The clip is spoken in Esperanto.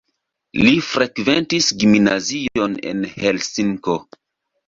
Li frekventis gimnazion en Helsinko.